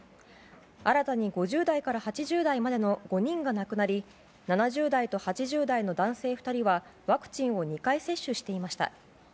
新たに５０代から８０代までの５人が亡くなり７０代と８０代の男性２人はワクチンを２回接種していました。